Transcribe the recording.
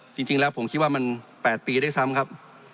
จริงแล้วผมคิดว่ามัน๘ปีด้วยซ้ำครับ